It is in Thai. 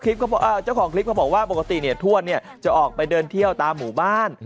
เจ้าของคลิปเขาบอกว่าปกติเนี่ยทวดเนี่ยจะออกไปเดินเที่ยวตามหมู่บ้าน